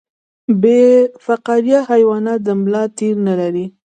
بې فقاریه حیوانات د ملا تیر نلري